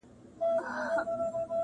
سایله اوس دي پر دښتونو عزرائیل وګوره!